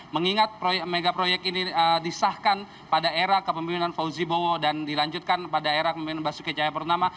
mengingat megaproyek ini disahkan pada era kepemimpinan fauzi bowo dan dilanjutkan pada era kepemimpinan basuki cahayapurnama